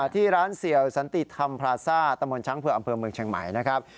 ที่ร้านเสี่ยวสันติธรรมพราซ่าตะมนต์ช้างเผือกอำเภอเมืองเชียงใหม่นะครับ